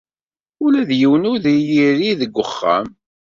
Ula d yiwen ur iyi-iri deg uxxam-a.